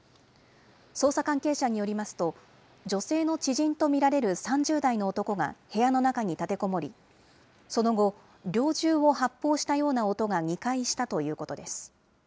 捜査関係者によりますと、女性の知人と見られる３０代の男が部屋の中に立てこもり、その後、猟銃を発砲したような音が２回したということです。